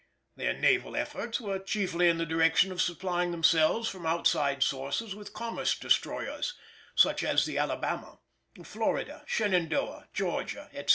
Their naval efforts were chiefly in the direction of supplying themselves from outside sources with commerce destroyers, such as the Alabama, Florida, Shenandoah, Georgia, etc.